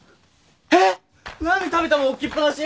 えっ！？何で食べた物置きっぱなし？